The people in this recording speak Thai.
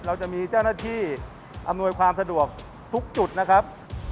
เราจะมีเจ้าหน้าที่อำนวยความสะดวกทุกจุดนะครับ